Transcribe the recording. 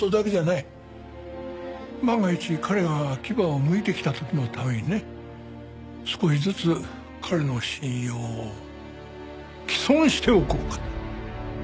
万が一彼が牙をむいてきた時のためにね少しずつ彼の信用を毀損しておこうかと。